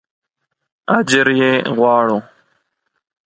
اجر یې غواړه.